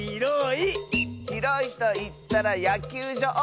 「ひろいといったらやきゅうじょう！」